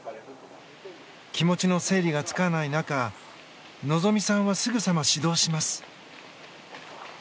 気持ちの整理がつかない中希実さんはすぐさま始動します。